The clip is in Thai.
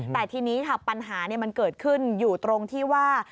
แต่ทีนี้ค่ะปัญหามันเกิดขึ้นอยู่ตรงที่ว่า